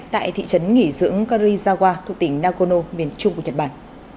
tại thị trấn nghỉ dưỡng karizawa thủ tỉnh nagorno miền trung của nhật bản